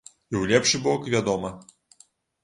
І ў лепшы бок, вядома!